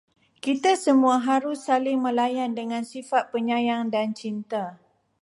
Kita semua harus saling melayan dengan sifat penyayang dan cinta